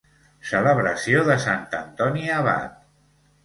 Celebració de Sant Antoni Abat.